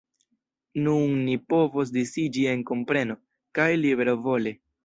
Nun ni povos disiĝi en kompreno — kaj libervole.